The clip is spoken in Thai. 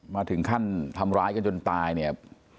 มาถึงขั้นทำร้ายกันจนตายเนี่ย